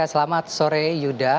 selamat sore yuda